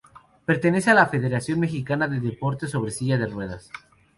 Pertenece a la Federación Mexicana de Deportes sobre Sillas de Ruedas.